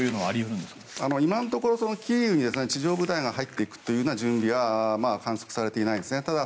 今のところキーウに地上部隊が入っていく準備は観測されていないですね。